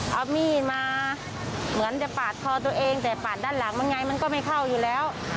เอามีดมาเหมือนจะปาดคอตัวเองแต่ปาดด้านหลังมันไงมันก็ไม่เข้าอยู่แล้ว